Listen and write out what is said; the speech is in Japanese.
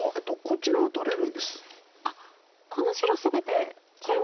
こちらは取れるんです。